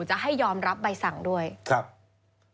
จะให้ยอมรับใบสั่งด้วยครับ